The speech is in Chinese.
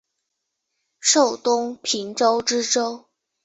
授东平州知州。